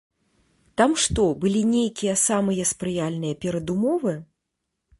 Там што, былі нейкія самыя спрыяльныя перадумовы?